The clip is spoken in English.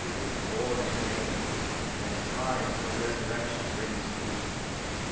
is born again, And time her resurrection brings to be.